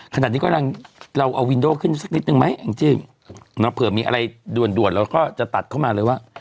ขนาดนี้กำลังเราเอาวินโดขึ้นสักนิดนึงไหมแองจี้เผื่อมีอะไรด่วนเราก็จะตัดเข้ามาเลยว่า